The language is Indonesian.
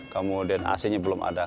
kemudian ac nya belum ada